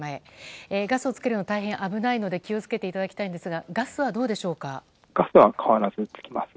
ガスをつけるのは大変危ないので気を付けていただきたいんですがガスはどうでしょうか。